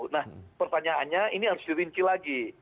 nah pertanyaannya ini harus dirinci lagi